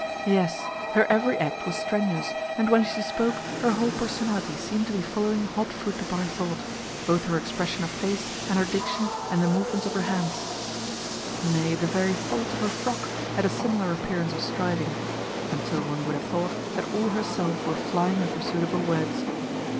Yes, her every act was strenuous, and when she spoke her whole personality seemed to be following hot foot upon her thought both her expression of face and her diction and the movements of her hands. Nay, the very folds of her frock had a similar appearance of striving; until one would have thought that all her self were flying in pursuit of her words.